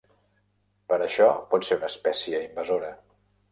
Per això pot ser una espècie invasora.